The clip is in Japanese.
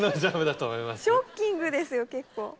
ショッキングですよ結構。